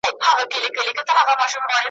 بس په پزه به پېزوان وړي په پېغور کي ,